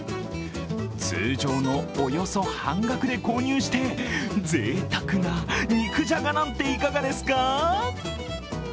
通常のおよそ半額で購入してぜいたくな肉じゃがなんていかがですか？